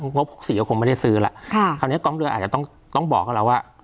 งบ๖๔ก็คงไม่ได้ซื้อแล้วค่ะคราวนี้กองเรืออาจจะต้องต้องบอกเขาแล้วว่า